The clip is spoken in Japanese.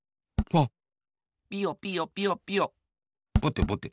ぼてぼて。